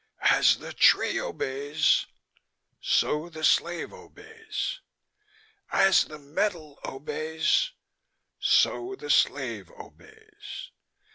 As the tree obeys, so the slave obeys. As the metal obeys, so the slave obeys.